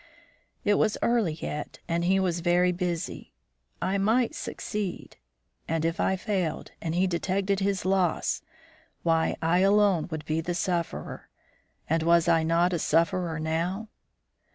It was early yet, and he was very busy; I might succeed, and if I failed, and he detected his loss, why I alone would be the sufferer; and was I not a sufferer now?